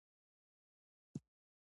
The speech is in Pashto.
د روښانتیا داسې کوم منجمد تعریف نشته.